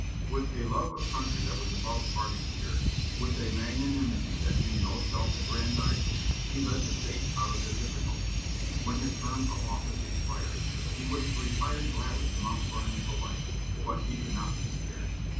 With a love of country that was above party spirit, with a magnanimity that knew no self aggrandizement, he led the States out of their difficulties. When his term of office expired, he would have retired gladly to Mount Vernon for life, but he could not be spared.